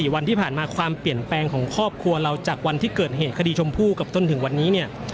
วันที่ผ่านมาความเปลี่ยนแปลงของครอบครัวเราจากวันที่เกิดเหตุคดีชมพู่กับจนถึงวันนี้เนี่ย